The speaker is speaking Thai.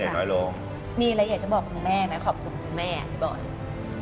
ลงมีอะไรอยากจะบอกคุณแม่ไหมขอบคุณคุณแม่พี่บอย